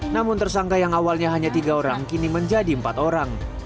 namun tersangka yang awalnya hanya tiga orang kini menjadi empat orang